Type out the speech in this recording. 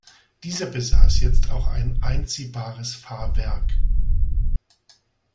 Dieser besaß jetzt auch ein einziehbares Fahrwerk.